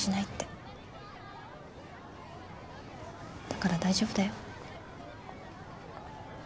だから大丈夫だよ。